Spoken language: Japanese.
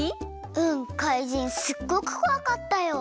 うん怪人すっごくこわかったよ！